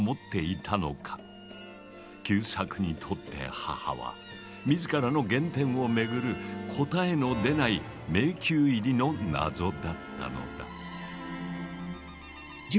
久作にとって母は自らの原点を巡る答えの出ない迷宮入りの謎だったのだ。